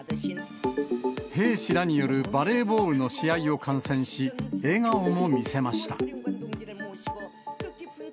兵士らによるバレーボールの試合を観戦し、笑顔も見せました。